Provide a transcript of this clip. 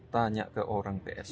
tanya ke orang psi